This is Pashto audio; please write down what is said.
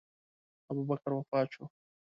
ابوبکر وفات شو.